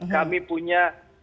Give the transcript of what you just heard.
kami punya seratus